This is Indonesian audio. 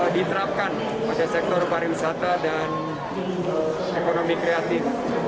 diterapkan pada sektor pariwisata dan ekonomi kreatif